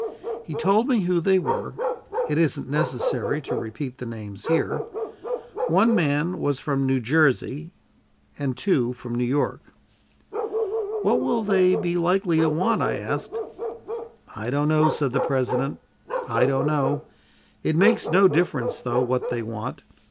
He told me who they were; it isn't necessary to repeat the names here. One man was from New Jersey and two from New York. "What will they be likely to want?" I asked. "I don't know," said the President; "I don't know. It makes no difference, though, what they want.